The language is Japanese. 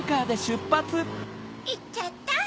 いっちゃった。